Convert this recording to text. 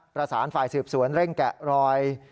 ประสานฝ่ายสืบสวนเร่งแกะรอย